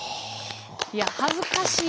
いや恥ずかしいな。